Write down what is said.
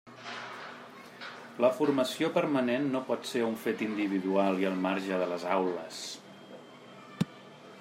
La formació permanent no pot ser un fet individual i al marge de les aules.